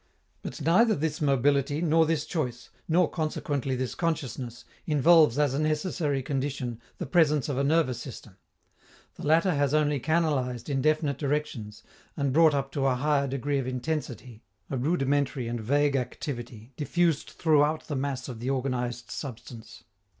But neither this mobility nor this choice nor consequently this consciousness involves as a necessary condition the presence of a nervous system; the latter has only canalized in definite directions, and brought up to a higher degree of intensity, a rudimentary and vague activity, diffused throughout the mass of the organized substance.